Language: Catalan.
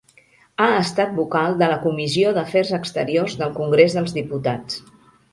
Ha estat vocal de la Comissió d'Afers Exteriors del Congrés dels Diputats.